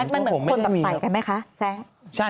มันเหมือนคนแบบใส่กันไหมคะแซง